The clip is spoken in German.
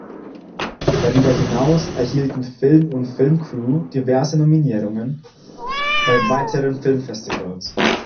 Darüber hinaus erhielten Film und Filmcrew diverse Nominierungen bei weiteren Filmfestivals.